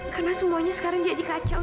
karena semuanya sekarang jadi kacau